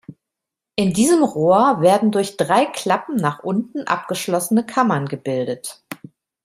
In diesem Rohr werden durch drei Klappen nach unten abgeschlossene Kammern gebildet.